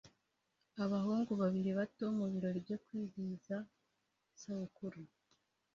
Abahungu babiri bato mubirori byo kwizihiza isabukuru